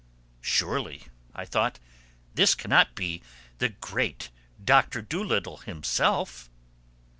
"Surely," I thought, "this cannot be the great Doctor Dolittle himself!"